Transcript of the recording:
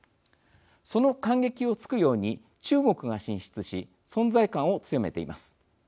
その間隙をつくように中国が進出し存在感を強めています。